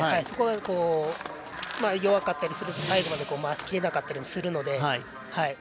そこが弱かったりすると最後まで回しきれなかったりするので。